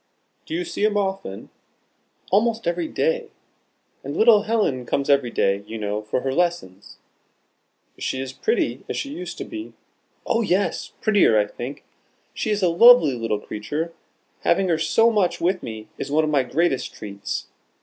"Do you see them often?" "Almost every day. And little Helen comes every day, you know, for her lessons." "Is she as pretty as she used to be?" "Oh yes prettier, I think. She is a lovely little creature: having her so much with me is one of my greatest treats.